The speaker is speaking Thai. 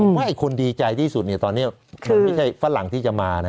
ว่าคนดีใจที่สุดเนี่ยตอนนี้มันไม่ใช่ฝรั่งที่จะมานะ